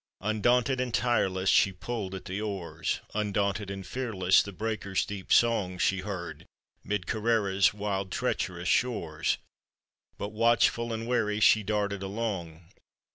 Undaunted and tireless she pulled at the oars, Undaunted and fearless the breakers' deep song She heard, 'mid Kerrera's wild, treacherous shores, But watchful and wary she darted along.